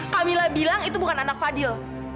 kamila bilang itu bukan anak fadil